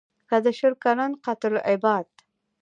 که د شل کلن «قتل العباد»